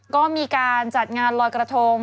ก็มีการจัดงานลอยกระทง